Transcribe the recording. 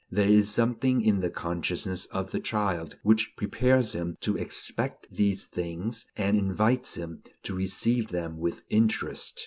There is something in the consciousness of the child which prepares him to expect these things, and invites him to receive them with interest.